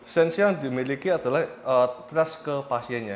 sens yang dimiliki adalah percaya pada pasiennya